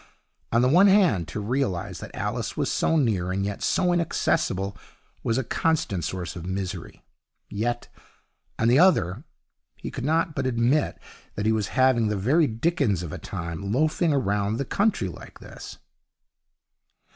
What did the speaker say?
On the one hand, to realize that Alice was so near and yet so inaccessible was a constant source of misery; yet, on the other, he could not but admit that he was having the very dickens of a time, loafing round the country like this.